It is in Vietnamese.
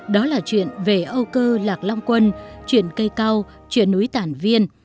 đó là chuyện về âu cơ lạc long quân chuyện cây cao chuyện núi tản viên